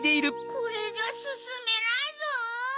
これじゃすすめないゾウ。